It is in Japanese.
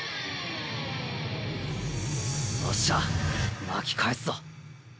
おっしゃ巻き返すぞ。